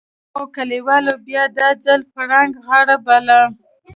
خو کليوالو بيا دا ځای پړانګ غار باله.